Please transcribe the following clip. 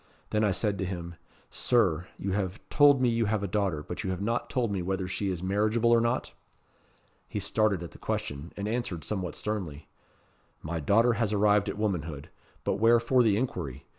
Then I said to him 'Sir, you have told me you have a daughter, but you have not told me whether she is marriageable or not?' He started at the question, and answered somewhat sternly. 'My daughter has arrived at womanhood. But wherefore the inquiry?